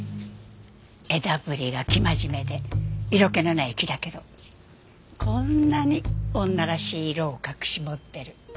枝ぶりが生真面目で色気のない木だけどこんなに女らしい色を隠し持ってる。